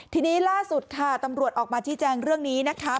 ทีนี้ล่าสุดค่ะตำรวจออกมาชี้แจงเรื่องนี้นะคะ